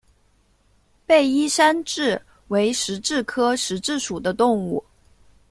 被衣山蛭为石蛭科石蛭属的动物。